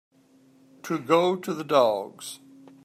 To go to the dogs.